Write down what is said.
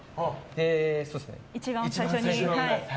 で、一番最初に。